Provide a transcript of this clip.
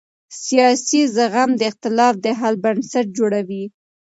سیاسي زغم د اختلاف د حل بنسټ جوړوي